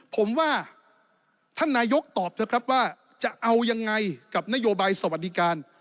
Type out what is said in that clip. ผมว่าท่านนายกตอบเถอะครับว่าจะเอายังไงกับนโยบายสวัสดิการ